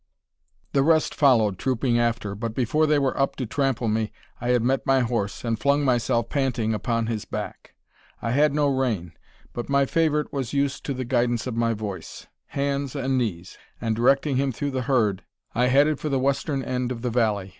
The rest followed, trooping after; but before they were up to trample me, I had met my horse, and flung myself, panting, upon his back! I had no rein; but my favourite was used to the guidance of my voice, hands, and knees; and directing him through the herd, I headed for the western end of the valley.